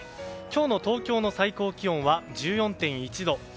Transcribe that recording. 今日の東京の最高気温は１４．１度。